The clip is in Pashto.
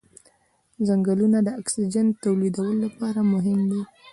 ځنګلونه د اکسیجن تولیدولو لپاره مهم دي